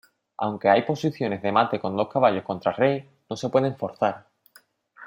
Aunque hay posiciones de mate con dos caballos contra rey, no se pueden forzar.